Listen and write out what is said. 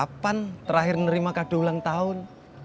kapan terakhir menerima kado ulang tahun